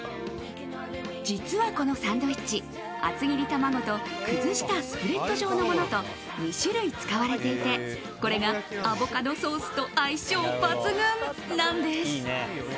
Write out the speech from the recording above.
実は、このサンドイッチ厚切りたまごと崩したスプレッド状のものと２種類使われていてこれがアボカドソースと相性抜群なんです。